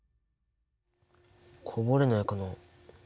こぼれないかな。